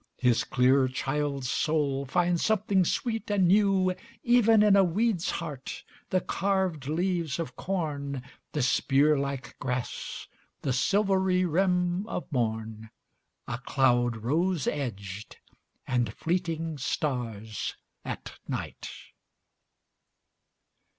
His clear child's soul finds something sweet and newEven in a weed's heart, the carved leaves of corn, The spear like grass, the silvery rim of morn,A cloud rose edged, and fleeting stars at night!